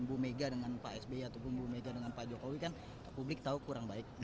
bumega dengan pak sby ataupun bumega dengan pak jokowi kan publik tahu kurang baik